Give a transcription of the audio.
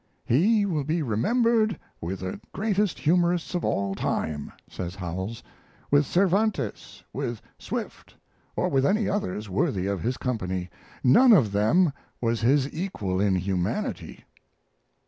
"He will be remembered with the great humorists of all time," says Howells, "with Cervantes, with Swift, or with any others worthy of his company; none of them was his equal in humanity."